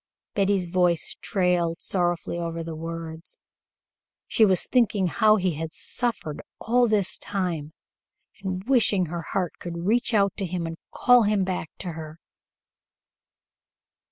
Betty's voice trailed sorrowfully over the words. She was thinking how he had suffered all this time, and wishing her heart could reach out to him and call him back to her.